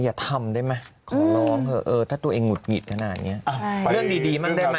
อย่าทำได้ไหมขอร้องเฮอะถ้าตัวเองหงุดหงิดขนาดนี้